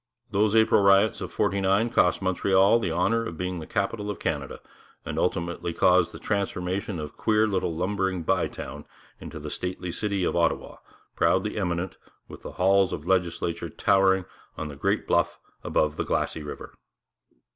Those April riots of '49 cost Montreal the honour of being the capital of Canada, and ultimately caused the transformation of queer little lumbering Bytown into the stately city of Ottawa, proudly eminent, with the halls of legislature towering on the great bluff above the glassy river.